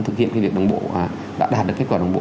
thực hiện việc đồng bộ và đã đạt được kết quả đồng bộ